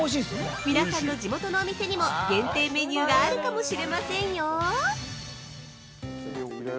皆さんの地元のお店にも限定メニューがあるかもしれませんよ◆